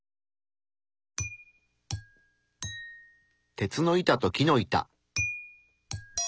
鉄の板と木の板。